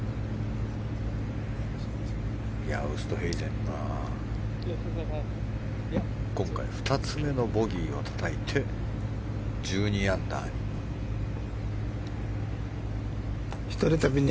ウーストヘイゼンが今回、２つ目のボギーをたたいて１２アンダーに。